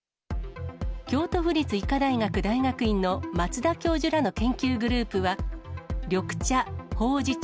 京都府立医科大学大学院の松田教授らの研究グループは、緑茶、ほうじ茶、